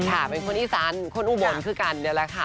ค่ะเป็นคนอีสานคนอุบลคือกันนี่แหละค่ะ